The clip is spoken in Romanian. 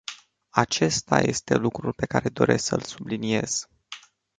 Acesta este lucrul pe care doresc să-l subliniez.